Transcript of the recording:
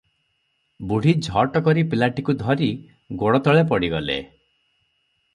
ବୁଢ଼ୀ ଝଟକରି ପିଲାଟିକୁ ଧରି ଗୋଡ଼ତଳେ ପଡ଼ିଗଲେ ।